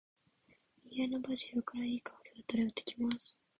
家のバジルから、良い香りが漂ってきます。